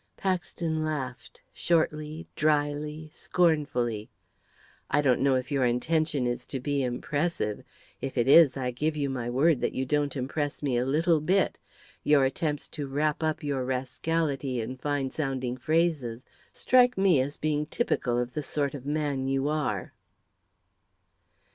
Paxton laughed shortly, dryly, scornfully. "I don't know if your intention is to be impressive; if it is, I give you my word that you don't impress me a little bit. Your attempts to wrap up your rascality in fine sounding phrases strike me as being typical of the sort of man you are."